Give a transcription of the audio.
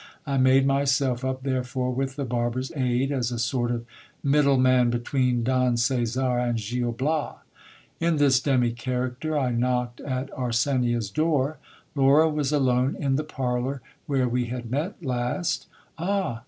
I made n yself up, therefore, with the barbers aid, as a sort of middle man between Don Caesar and Gil Bias. In this demi character, I knocked at Arsenia's door. Laura was alone in the parlour where we had met last Ah